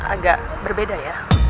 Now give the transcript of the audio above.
agak berbeda ya